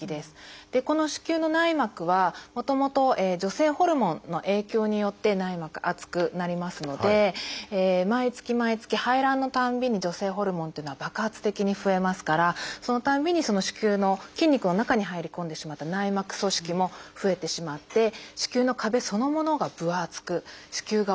この子宮の内膜はもともと女性ホルモンの影響によって内膜厚くなりますので毎月毎月排卵のたんびに女性ホルモンっていうのは爆発的に増えますからそのたんびにその子宮の筋肉の中に入り込んでしまった内膜組織も増えてしまって子宮の壁そのものが分厚く子宮が大きくなってしまう病気です。